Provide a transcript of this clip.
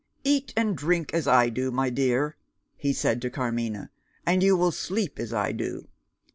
"Eat and drink as I do, my dear," he said to Carmina; "and you will sleep as I do.